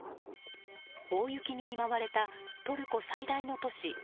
大雪に見舞われたトルコ最大の都市